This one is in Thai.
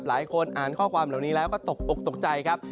หลายคนอ่านข้อความเหล่านี้แล้วก็ตกอกตกใจครับ